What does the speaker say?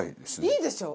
いいでしょ？